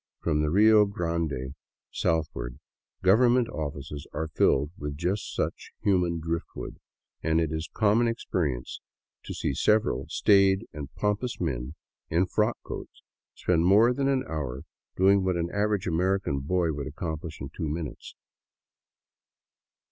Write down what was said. From the Rio Grande southward, government offices are filled with just such human driftwood, and it is common experience to see several staid and pompous men in frock coats spend more than an hour doing what an average American boy would accomplish in two minutes.